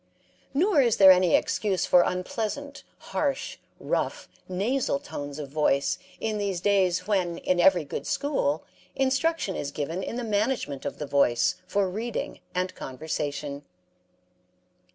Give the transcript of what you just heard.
Nor is there any excuse for unpleasant, harsh, rough, nasal tones of voice in these days when in every good school instruction is given in the management of the voice for reading and conversation.